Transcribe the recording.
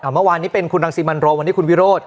เมื่อวานนี้เป็นคุณรังสิมันโรวันนี้คุณวิโรธ